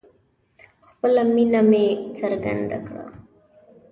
خپله مینه مې څرګنده کړه